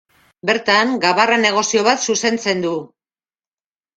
Bertan, gabarra-negozio bat zuzentzen du.